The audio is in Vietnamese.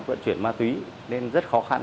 vận chuyển ma túy nên rất khó khăn